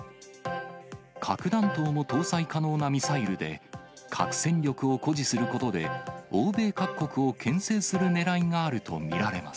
核弾頭も搭載可能なミサイルで、核戦力を誇示することで、欧米各国をけん制するねらいがあると見られます。